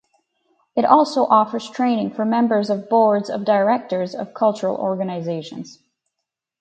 It also offers training for members of Boards of Directors of cultural organisations.